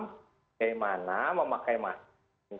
bagaimana memakai masker